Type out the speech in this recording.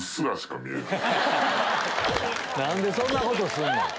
何でそんなことするの？